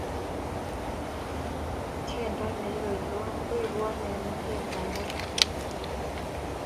tiendo neikaikai koibwaa eng oret ap parak